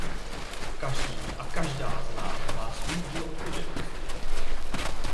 Každý a každá z nás má svůj díl odpovědnosti.